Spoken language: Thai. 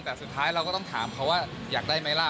แต่สุดท้ายเราก็ต้องถามเขาว่าอยากได้ไหมล่ะ